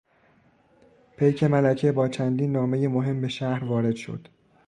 پیک ملکه با چندین نامهی مهم به شهر وارد شد.